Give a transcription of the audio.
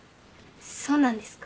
そうなんですか？